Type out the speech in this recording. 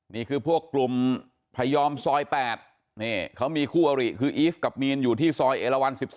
นี่คือพวกกลุ่มพยอมซอย๘นี่เขามีคู่อริคืออีฟกับมีนอยู่ที่ซอยเอลวัน๑๒